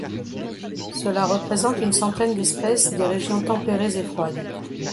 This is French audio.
Cela représente une centaine d'espèces des régions tempérées et froides.